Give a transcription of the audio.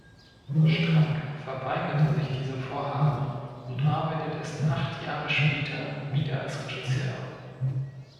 Stranka verweigerte sich diesem Vorhaben und arbeitet erst acht Jahre später wieder als Regisseur.